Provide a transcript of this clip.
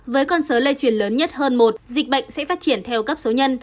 với con số lây truyền lớn nhất hơn một dịch bệnh sẽ phát triển theo cấp số nhân